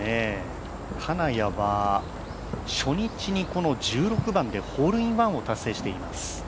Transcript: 金谷は初日に１６番でホールインワンを達成しています。